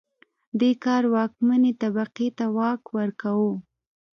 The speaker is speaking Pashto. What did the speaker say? دې کار واکمنې طبقې ته واک ورکاوه